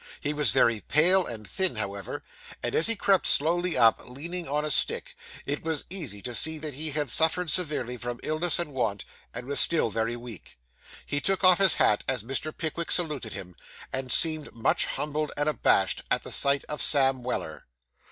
He was very pale and thin, however; and as he crept slowly up, leaning on a stick, it was easy to see that he had suffered severely from illness and want, and was still very weak. He took off his hat as Mr. Pickwick saluted him, and seemed much humbled and abashed at the sight of Sam Weller.